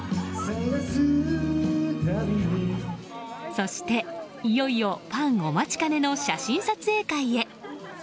そして、いよいよファンお待ちかねの写真撮影会へ。